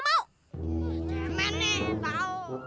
eh mana yang tau